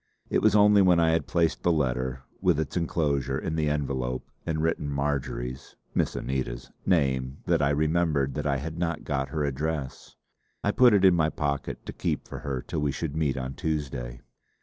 It was only when I had placed the letter with its enclosure in the envelope and written Marjory's Miss Anita's name that I remembered that I had not got her address. I put it in my pocket to keep for her till we should meet on Tuesday.